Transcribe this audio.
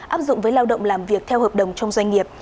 áp dụng với lao động làm việc theo hợp đồng trong doanh nghiệp